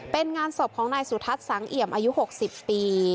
เป็นงานศพของนายสุทัศน์สังเอี่ยมอายุ๖๐ปี